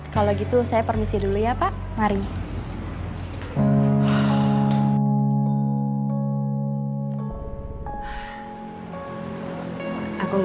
kalau gitu saya permisi dulu ya pak mari